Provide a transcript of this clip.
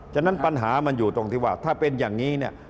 ฉะนั้นปัญหามันอยู่ตรงที่ว่าถ้าเป็นอย่างนี้เนี่ย